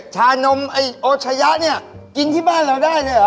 ชานมไอ้โอชะยะเนี่ยกินที่บ้านเราได้เลยเหรอ